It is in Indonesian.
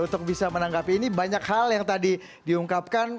untuk bisa menanggapi ini banyak hal yang tadi diungkapkan